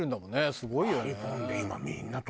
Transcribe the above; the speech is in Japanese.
すごいわよ。